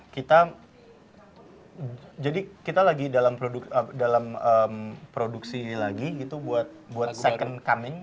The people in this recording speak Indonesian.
kita jadi kita lagi dalam produksi lagi gitu buat second coming